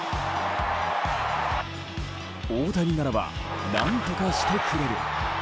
大谷ならば何とかしてくれる。